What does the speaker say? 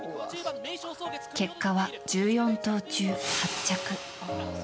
結果は１４頭中８着。